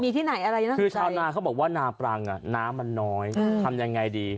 ที่มาที่นายที่เค้าบอกว่านำปรังน้ำน้อยทำยังไงดี